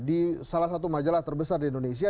di salah satu majalah terbesar di indonesia